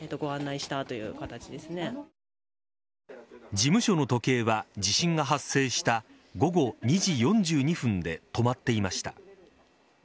事務所の時計は地震が発生した午後２時４２分で止まっていました。